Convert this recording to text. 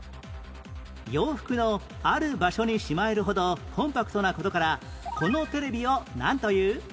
洋服のある場所にしまえるほどコンパクトな事からこのテレビをなんという？